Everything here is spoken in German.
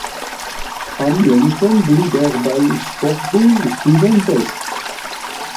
Am längsten blieb er bei Sportul Studențesc.